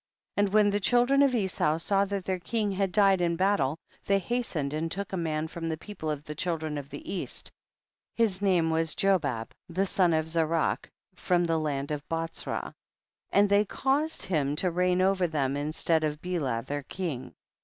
26. And when the children of Esau saw that their king had died in battle they hastened and took a man from the people of the children of the east ; his name was Jobab the son of Zarach, from the land of Botzrah, and they caused him to THE BOOK OF JASHER. 191 reign over them instead of Bela their king.